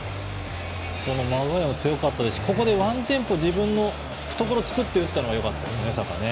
マグワイアは強かったですしここでワンテンポ自分の懐を作って打ったのがよかったですね、サカね。